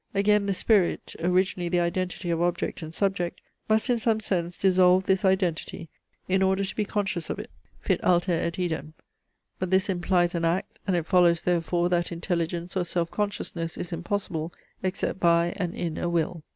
Again the spirit (originally the identity of object and subject) must in some sense dissolve this identity, in order to be conscious of it; fit alter et idem. But this implies an act, and it follows therefore that intelligence or self consciousness is impossible, except by and in a will.